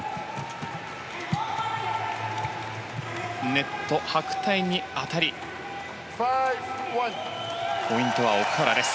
ネット、白帯に当たりポイントは奥原です。